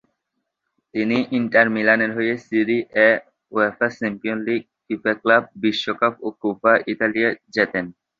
তিনি ইন্টার মিলানের হয়ে Serie A, UEFA Champions League, FIFA club বিশ্বকাপ ও কোপা ইতালিয়া জেতেন।